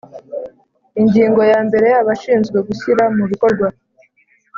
Ingingo yambere Abashinzwe gushyira mubikorwa